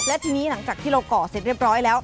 และทีนี้หลังจากที่เราก่อเสร็จเรียบร้อยแล้ว